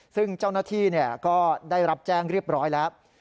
ซึ่งเจ้าหน้าที่ก็ได้รับแจ้งเรียบร้อยแล้ว